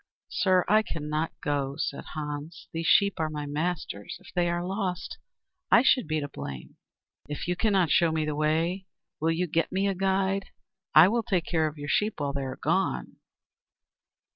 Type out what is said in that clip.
"Sir, I cannot go," said Hans. "These sheep are my master's. If they are lost, I should be to blame." "If you cannot show me the way, will you get me a guide? I will take care of your sheep while you are gone."